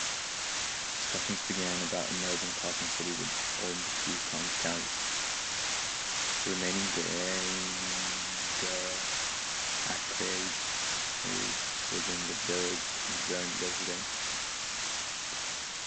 The remaining Grainger acreage is within the village and zoned residential.